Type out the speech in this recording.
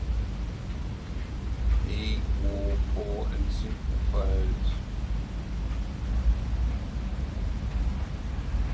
He wore poor and simple clothes.